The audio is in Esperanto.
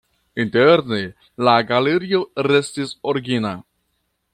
Interne la galerio restis origina.